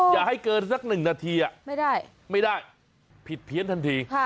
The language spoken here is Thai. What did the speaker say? อย่าให้เกินสัก๑นาทีไม่ได้ผิดเพี้ยนทันที